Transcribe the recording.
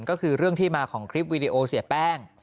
ก็คือเรื่องที่มาของคลิปวีดีโอเสียแป้ง